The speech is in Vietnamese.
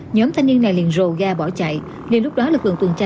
nhóm thanh niên này liền rồ ga bỏ chạy nên lúc đó lực lượng tuần tra